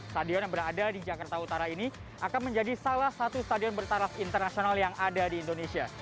stadion yang berada di jakarta utara ini akan menjadi salah satu stadion bertaraf internasional yang ada di indonesia